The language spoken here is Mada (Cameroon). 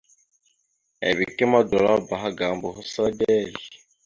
Ebeke ma odolabáaha gaŋa boho səla dezl.